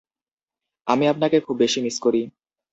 আমি আপনাকে খুব বেশি মিস করি।